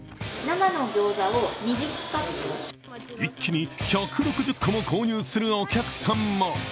一気に１６０個も購入するお客さんも。